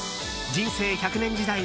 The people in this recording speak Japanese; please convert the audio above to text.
人生１００年時代